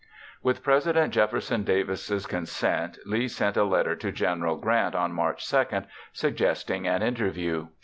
With President Jefferson Davis' consent, Lee sent a letter to General Grant on March 2 suggesting an interview.